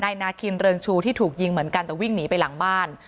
นาคินเริงชูที่ถูกยิงเหมือนกันแต่วิ่งหนีไปหลังบ้าน